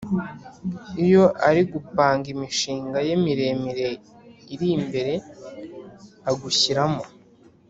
iyo ari gupanga imishinga ye miremire iri imbere agushyiramo.